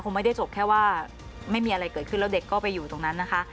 ไม่ได้จบแค่ว่าไม่มีอะไรเกิดขึ้นแล้วเด็กก็ไปอยู่ตรงนั้นนะคะ